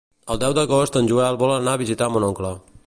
El deu d'agost en Joel vol anar a visitar mon oncle.